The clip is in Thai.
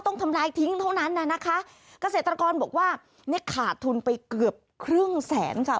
ต้องทำลายทิ้งเท่านั้นน่ะนะคะเกษตรกรบอกว่าเนี่ยขาดทุนไปเกือบครึ่งแสนค่ะ